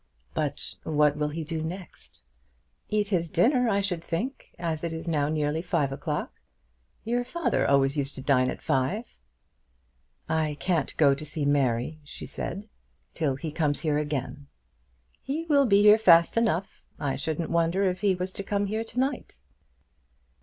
"But what will he do next?" "Eat his dinner, I should think, as it is now nearly five o'clock. Your father used always to dine at five." "I can't go to see Mary," she said, "till he comes here again." "He will be here fast enough. I shouldn't wonder if he was to come here to night."